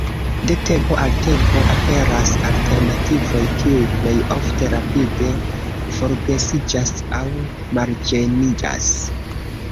De tempo al tempo aperas alternativoj, kiuj plej ofte rapide forgesiĝas aŭ marĝeniĝas.